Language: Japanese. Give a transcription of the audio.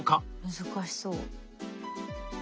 難しそう。